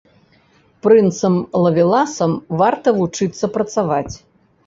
Прынцам-лавеласам варта вучыцца працаваць.